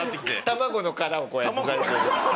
卵の殻をこうやってさしてる。